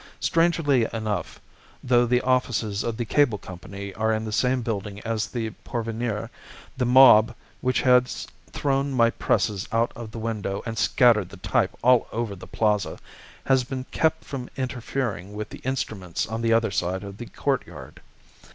Strangely enough, though the offices of the Cable Company are in the same building as the Porvenir, the mob, which has thrown my presses out of the window and scattered the type all over the Plaza, has been kept from interfering with the instruments on the other side of the courtyard.